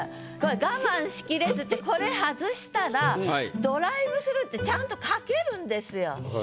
「我慢しきれず」ってこれ外したら「ドライブスルー」ってちゃんと書けるんですよ。